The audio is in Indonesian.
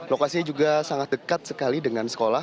lokasinya juga sangat dekat sekali dengan sekolah